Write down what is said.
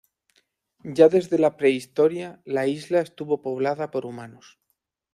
Ya desde la prehistoria la isla estuvo poblada por humanos.